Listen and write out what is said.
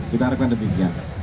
kita harapkan demikian